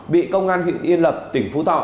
bị công an huyện yên lập tp thọ